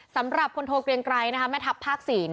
สำหรับพลโทเกลียงไกรแม่ทัพภาค๔